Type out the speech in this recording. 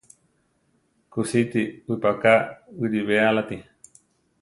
Kusíti wipaká wiʼlibéalati.